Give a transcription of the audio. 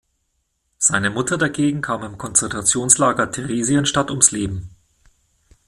Seine Mutter dagegen kam im Konzentrationslager Theresienstadt ums Leben.